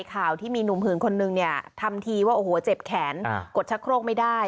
ข่าวที่มีหนุ่มหื่นคนนึงเนี่ยทำทีว่าโอ้โหเจ็บแขนกดชะโครกไม่ได้